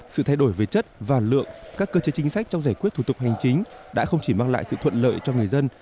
sự thay đổi về chất và lượng các cơ chế chính sách trong giải quyết thủ tục hành chính đã không chỉ mang lại sự thuận lợi cho người dân